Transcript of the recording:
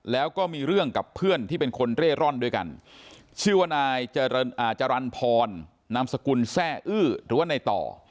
แล้วก็มีเรื่องกับเพื่อนที่เป็นคนเร่ร่อนด้วยกันชื่อว่านายจรรย์พรนามสกุลแซ่อื้อหรือว่าในต่อ